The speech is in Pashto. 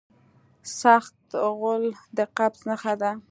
سخت غول د قبض نښه ده.